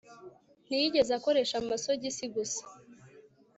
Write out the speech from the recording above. ntiyigeze akoresha amasogisi, gusa